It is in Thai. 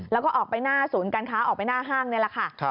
แล้วก็ออกไปหน้าศูนย์การค้าออกไปหน้าห้างนี่แหละค่ะ